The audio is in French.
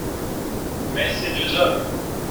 Mais ces deux hommes !…